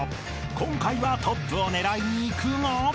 ［今回はトップを狙いにいくが］